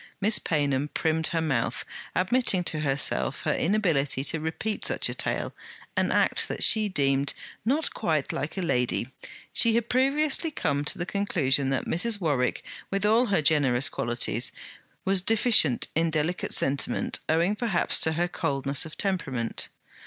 Miss Paynham primmed her mouth, admitting to herself her inability to repeat such a tale; an act that she deemed not 'quite like a lady.' She had previously come to the conclusion that Mrs. Warwick, with all her generous qualities, was deficient in delicate sentiment owing perhaps to her coldness of temperament.